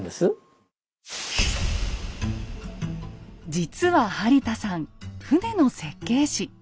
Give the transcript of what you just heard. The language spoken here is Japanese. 実は播田さん船の設計士。